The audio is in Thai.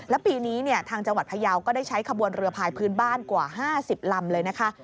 และปีนี้ทางจังหวัดพยาวก็ได้ใช้ขบวนเรือพายพื้นบ้านกว่า๕๐ลำเลยนะคะ